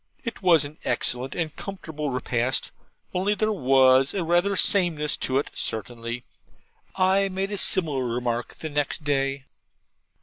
It was an excellent and comfortable repast; only there WAS rather a sameness in it, certainly. I made a similar remark the next day'.